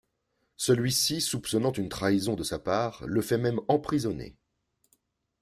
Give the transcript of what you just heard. Celui-ci, soupçonnant une trahison de sa part, le fait même emprisonner.